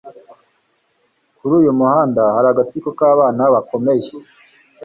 Kuri uyu muhanda hari agatsiko k'abana bakomeye